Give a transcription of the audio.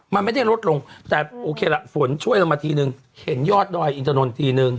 มันไม่ได้รวดลงแต่โอเคล่ะฝนช่วยมา๑ที